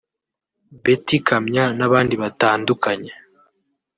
Beti Kamya n’abandi batandukanye